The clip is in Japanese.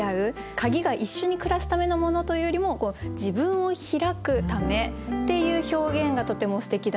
鍵が一緒に暮らすためのものというよりも自分をひらくためっていう表現がとてもすてきだなと思いました。